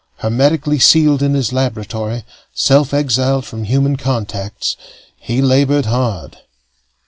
Hermetically sealed in his laboratory, self exiled from human contacts, he labored hard.